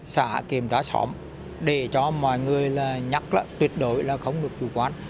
xã kiểm tra xóm để cho mọi người là nhắc là tuyệt đối là không được chủ quan